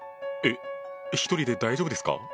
えっ１人で大丈夫ですか？